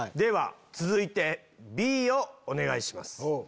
続いてＢをお願いします。